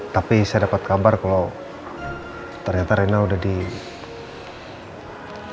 tapi saya dapat kabar kalau ternyata rina udah dikembang